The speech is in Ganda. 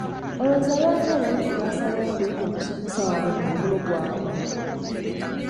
Olowooza lwaki abayizi baasalawo okuyita omusomesa waabwe ku mukolo gwabwe?